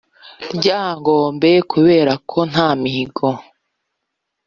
ryangombe kubera ko nta mihango